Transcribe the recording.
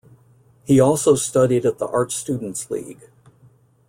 He also studied at the Art Students League.